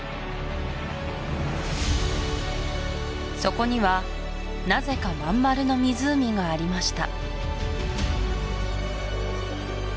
そこにはなぜか真ん丸の湖がありました